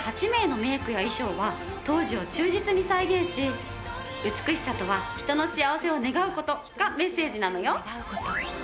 ８名のメイクや衣装は当時を忠実に再現し「美しさとは、人のしあわせを願うこと。」がメッセージなのよ。